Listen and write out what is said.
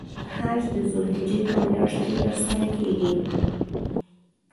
حج د ذوالحجې په میاشت کې تر سره کیږی.